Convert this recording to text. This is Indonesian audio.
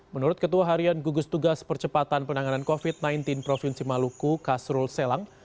menurut ketua harian gugus tugas percepatan penanganan covid sembilan belas provinsi maluku kasrul selang